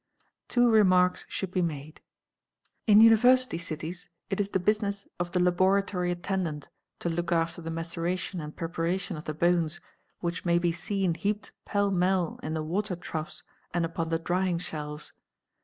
Two remarks should be made :—In University cities it is the business _ of the laboratory attendant to look after the maceration and preparation _ of the bones which may be seen heaped pellmell in the water troughs and ; upon the drying shelves.